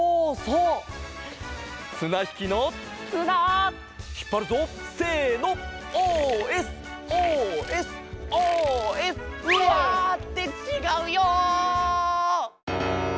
うわ！ってちがうよ！